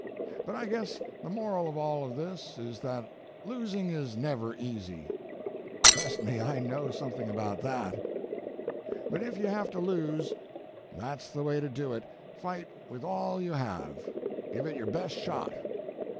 But I guess the moral of all of this is that losing is never easy. Trust me, I know something about that. But if you have to lose, that's the way to do it: Fight with all you have. Give it your best shot.